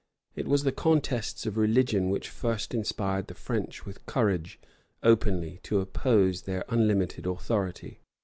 It was the contests of religion which first inspired the French with courage openly to oppose their unlimited authority.